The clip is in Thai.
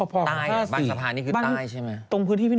บางสะพานคือใต้ใช่ไหม